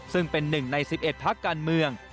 ซึ่งเป็น๑ใน๑๑พักการเมือง